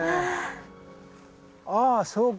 ああそうか。